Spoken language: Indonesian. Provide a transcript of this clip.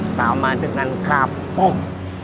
sama dengan kapok